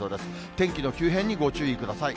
天気の急変にご注意ください。